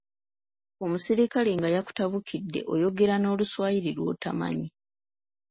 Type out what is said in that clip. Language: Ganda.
Omuserikale nga yakutabukidde ayogera n'Oluswayiri lw'otamanyi.